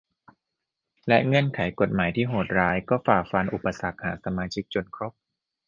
และเงื่อนไขกฎหมายที่โหดร้ายก็ฝ่าฟันอุปสรรคหาสมาชิกจนครบ